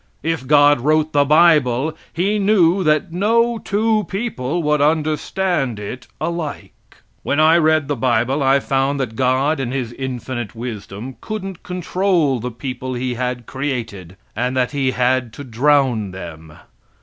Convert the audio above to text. If God wrote the bible he knew that no two people would understand it alike. When I read the bible I found that God in His infinite wisdom couldn't control the people He had created and that He had to drown them.